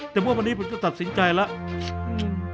แต่เมื่อวันนี้ผมจะตัดสินใจแล้ว